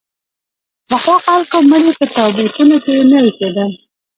پخوا خلکو مړي په تابوتونو کې نه اېښودل.